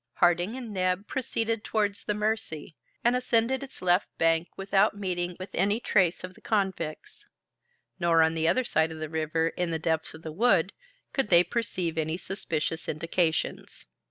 Harding and Neb proceeded towards the Mercy, and ascended its left bank without meeting with any trace of the convicts; nor on the other side of the river, in the depths of the wood, could they perceive any suspicious indications.